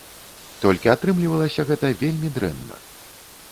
Толькі атрымлівалася гэта вельмі дрэнна.